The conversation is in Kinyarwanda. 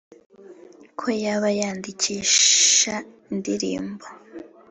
ko yaba yandikisha indirimbo